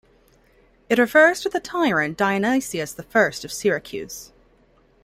It refers to the tyrant Dionysius the First of Syracuse.